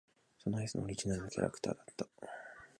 そのアイスのオリジナルのキャラクターだった。